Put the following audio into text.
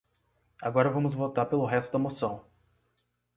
Agora vamos votar pelo resto da moção.